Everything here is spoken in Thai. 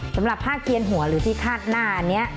สำหรับผ้าเคียนหัวหรือที่คาดหน้าอันนี้